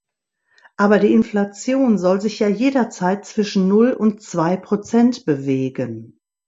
Aber die Inflation soll sich ja jederzeit zwischen null und zwei Prozent bewegen.